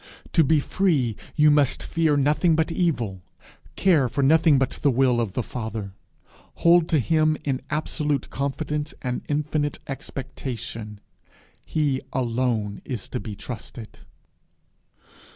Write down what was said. To be free you must fear nothing but evil, care for nothing but the will of the Father, hold to him in absolute confidence and infinite expectation. He alone is to be trusted.'